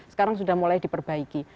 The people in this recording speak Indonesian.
sekarang sudah mulai diperbaiki